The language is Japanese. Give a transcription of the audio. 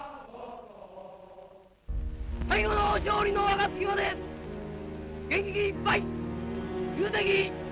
最後の勝利の暁まで元気いっぱいきゅう敵